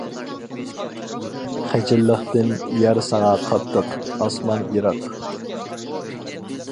خىجىللىقتىن يەر ساڭا قاتتىق، ئاسمان يىراق.